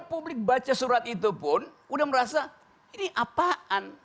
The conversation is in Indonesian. publik baca surat itu pun udah merasa ini apaan